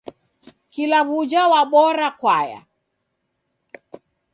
Kila w'uja wabora kwaya.